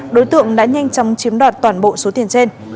đối tượng đã nhanh chóng chiếm đoạt toàn bộ số tiền trên